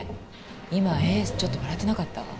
今エースちょっと笑ってなかった？